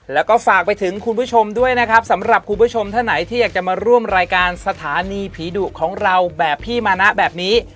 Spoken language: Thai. แล้วก็ฝากไปถึงคุณผู้ชมด้วยนะครับสำหรับคุณผู้ชมท่านไหนที่อยากจะมาร่วมรายการสถานีผีดุของเราแบบพี่มานะแบบนี้